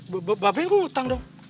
ba ba ba ba be yang gue utang dong